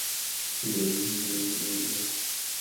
ঠিক নয়, আমার বিশ্বস্ত বার্নাকল।